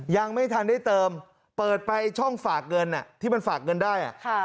ยังไม่ทันได้เติมเปิดไปช่องฝากเงินที่มันฝากเงินได้